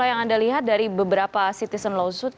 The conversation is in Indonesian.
yang anda lihat dari beberapa citizen lawsuit